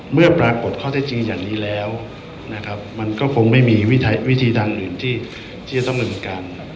เมื่อปรากฏข้อเท็จจริงอย่างนี้แล้วนะครับมันก็คงไม่มีวิธีทางอื่นที่จะต้องดำเนินการ